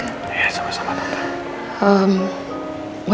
ya sama sama tante